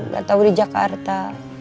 gak tau di jakarta